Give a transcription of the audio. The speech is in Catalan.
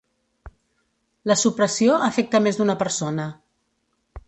La supressió afecta més d'una persona.